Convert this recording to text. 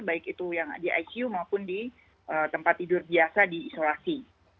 baik itu yang di icu maupun di tempat tidur biasa di isolasi